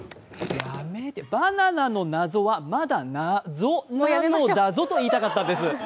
やめてバナナの謎はまだ謎なのだぞと言いたかったんです。